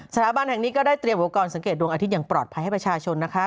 สถาบันแห่งนี้ก็ได้เตรียมอุปกรณ์สังเกตดวงอาทิตย์อย่างปลอดภัยให้ประชาชนนะคะ